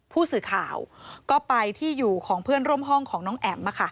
ผู้สื่อข่าวก็ไปที่อยู่ของเพื่อนร่วมห้องของน้องแอ๋ม